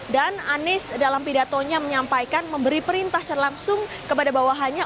anies dalam pidatonya menyampaikan memberi perintah secara langsung kepada bawahannya